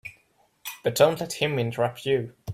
But don't let him interrupt you.